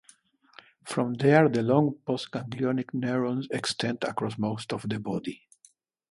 From there, the long postganglionic neurons extend across most of the body.